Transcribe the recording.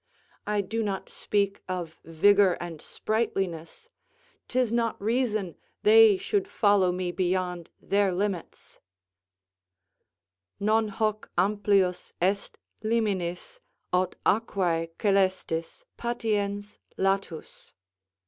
I do not speak of vigour and sprightliness; 'tis not reason they should follow me beyond their limits: "Non hoc amplius est liminis, aut aquae Coelestis, patiens latus."